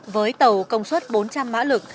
với tàu công suất bốn trăm linh mã lực